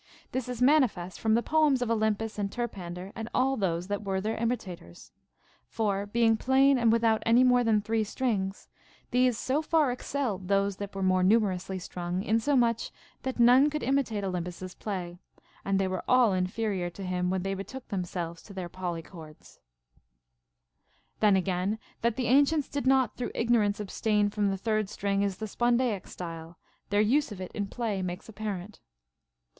This is manifest from the poems of Olympus and Terpan der and all those that were their imitators. For, being plain and without any more than three strings, these so far excelled those that were more numerously strung, insomuch that none could imitate Olympus's play ; and they were all inferior to him when they betook themselves to their polychords. 116 CONCERNING MUSIC. 19. Then again, that the ancients did not through igno rance abstain from the third string in the spondaic style, their use of it in play makes apparent.